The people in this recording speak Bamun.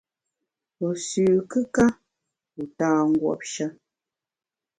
Wu sü kùka, wu ta nguopshe.